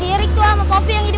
ini apaan sih